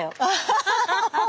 ハハハハ！